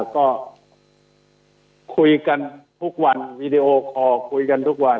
ก็คุยกันทุกวันวีดีโอคอร์คุยกันทุกวัน